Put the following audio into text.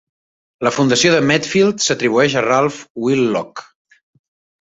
La fundació de Medfield s'atribueix a Ralph Wheelock.